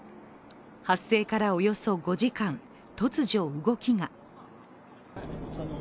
発生からおよそ５時間、突如動きが。